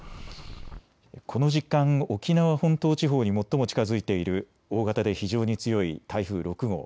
この時間、沖縄本島地方に最も近づいている大型で非常に強い台風６号。